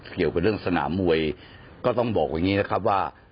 เกี่ยวกับเรื่องสนามมวยก็ต้องบอกอย่างนี้นะครับว่า